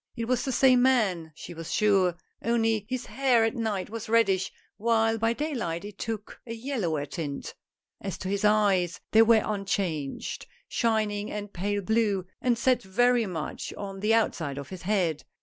It was the same man, she was sure, only his hair at night was reddish, while by day light it took a yellower tint. As to his eyes they were unchanged — shining and pale blue — and set very much on the outside of his head.